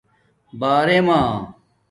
بݳرمݳ